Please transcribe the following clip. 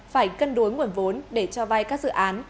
phải cân đối nguồn vốn để cho vay các dự án